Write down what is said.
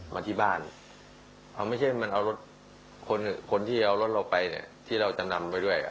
มาที่บ้านเอาไม่ใช่มันเอารถคนที่เอารถเราไปเนี่ยที่เราจะนำไปด้วย